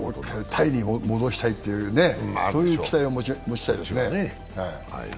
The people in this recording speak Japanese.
タイに戻したいという、そういう期待は持ちたいですね。